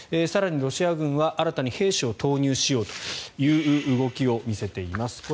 更に、ロシア軍は新たに兵士を投入しようという動きが出ています。